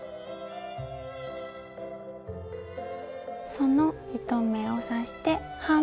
その１目を刺して半目